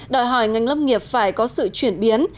đòi hỏi ngành lâm nghiệp phải có sự chuyển biến